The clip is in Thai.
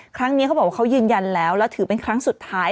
เขาบอกว่าเขายืนยันแล้วแล้วถือเป็นครั้งสุดท้าย